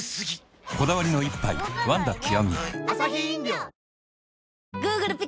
こだわりの一杯「ワンダ極」